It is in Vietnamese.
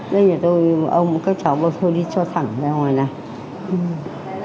đây nhà tôi ông các cháu bây giờ đi cho thẳng ra ngoài này